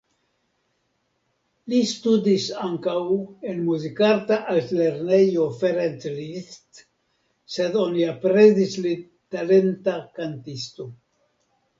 Li studis ankaŭ en Muzikarta Altlernejo Ferenc Liszt, sed oni aprezis lin talenta kantisto.